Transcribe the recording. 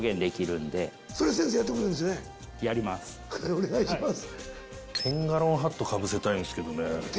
お願いします。